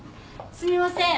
すみません。